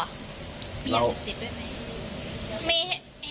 เห็นสติดด้วยไหม